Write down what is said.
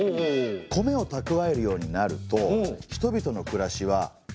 米をたくわえるようになると人々の暮らしはどうなります？